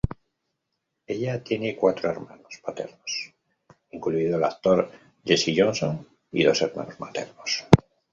Ella tiene cuatro hermanos paternos, incluido el actor Jesse Johnson, y dos hermanos maternos.